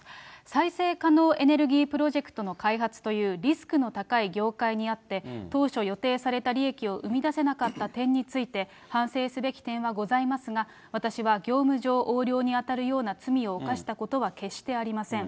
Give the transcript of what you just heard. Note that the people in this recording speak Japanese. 再生可能エネルギープロジェクトの開発というリスクの高い業界にあって、当初予定された利益を生み出せなかった点について、反省すべき点はございますが、私は業務上横領に当たるような罪を犯したことは決してありません。